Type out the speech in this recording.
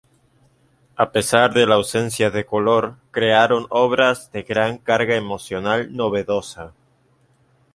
A pesar de la ausencia de color, crearon obras de gran carga emocional novedosa.